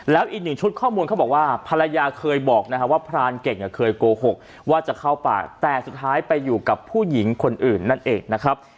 แล้วอีกหนึ่งชุดข้อมูลเขาบอกว่าภรรยาเคยบอกนะครับว่าพรานเก่งเคยโกหกว่าจะเข้าปากแต่สุดท้ายไปอยู่กับผู้หญิงคนอื่นนั่นเองนะครับ